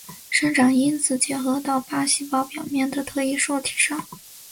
生长因子结合到靶细胞表面的特异受体上。